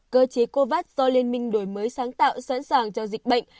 cơ chế covax do liên minh đổi mới sáng tạo sẵn sàng cho dịch bệnh